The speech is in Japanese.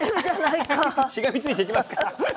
しがみついていきますから。